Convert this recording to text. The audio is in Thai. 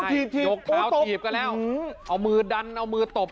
โอ้โหถีบโอ้โหถีบกันแล้วเอามือดันเอามือตบ